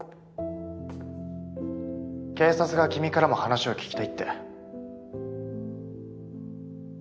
警察が君からも話を聞きたいって。